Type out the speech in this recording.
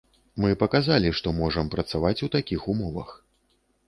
Мы паказалі, што можам працаваць у такіх умовах.